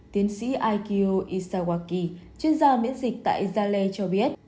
tiến sĩ aikio isawaki chuyên gia miễn dịch tại jale cho biết